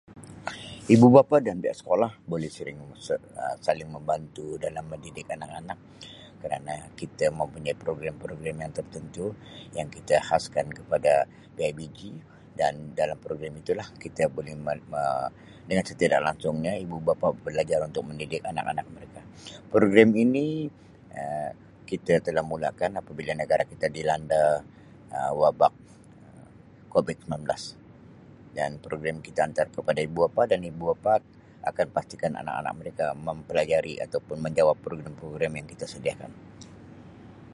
Ibu bapa dan pihak sekolah boleh sering se-[Um] saling membantu dalam mendidik anak-anak kerana kita mempunyai program-program yang tertentu yang kita khaskan kepada PIBG san dalam program itulah kita boleh Um itulah dengan secara tidak langsungnya ibu bapa belajar untuk mendidik anak-anak mereka. Program ini Um kita telah mulakan apabila negara kita dilanda Um wabak COVID-19 dan program kita hantar kepada ibu bapa dan ibu bapa akan pastikan anak-anak mereka mempelajari ataupun menjawab program-program yang kita sediakan.